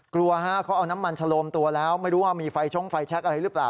กลัวฮะเขาเอาน้ำมันชะโลมตัวแล้วไม่รู้ว่ามีไฟชงไฟแชคอะไรหรือเปล่า